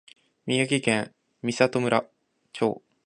宮城県美里町